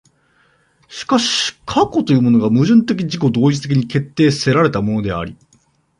しかし過去というものが矛盾的自己同一的に決定せられたものであり、